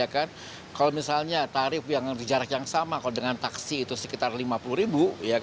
kalau misalnya tarif yang jarak yang sama kalau dengan taksi itu sekitar rp lima puluh